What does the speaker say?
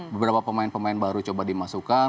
beberapa pemain pemain baru coba dimasukkan